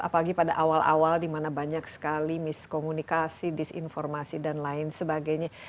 apalagi pada awal awal dimana banyak sekali miskomunikasi disinformasi dan lain sebagainya